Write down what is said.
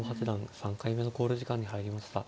斎藤八段３回目の考慮時間に入りました。